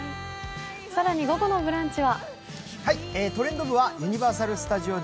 更に午後の「ブランチ」は？